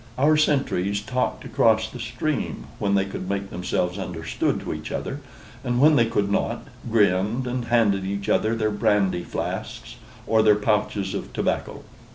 Our sentries talked across the stream, when they could make themselves understood to each other, and when they could not, grinned, and handed each other their brandy flasks or their pouches of tobacco.